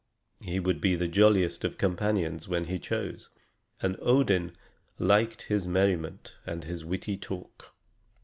He could be the jolliest of companions when he chose, and Odin liked his merriment and his witty talk.